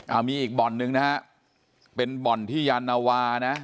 เอามีอีกบ่อนนึงนะฮะเป็นบ่อนที่ยานวานะ